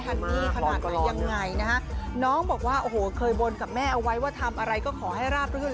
ดี้ขนาดไหนยังไงนะฮะน้องบอกว่าโอ้โหเคยบนกับแม่เอาไว้ว่าทำอะไรก็ขอให้ราบรื่น